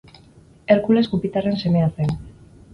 Herkules Jupiterren semea zen.